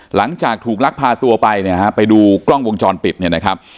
หลังจากถูกลักพาตัวไปเนี่ยฮะไปดูกล้องวงจรปิดเนี่ยนะครับ